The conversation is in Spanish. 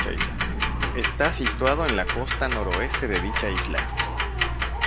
Está situado en la costa noroeste de dicha isla.